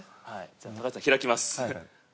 じゃあ高橋さん開きます。